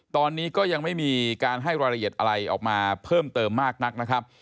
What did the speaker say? ตอนนี้ก็ยังไม่มีการให้รายละเอียดอะไรออกมาเพิ่มเติมมากนักนะครับ